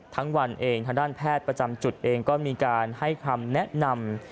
ทั้งวันเองทางด้านแพทย์ประจำจุดเองก็มีการให้คำแนะนำ